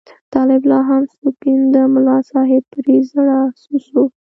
طالب لا هم سونګېده، ملا صاحب پرې زړه وسو.